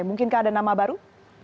mungkinkah ada nama baru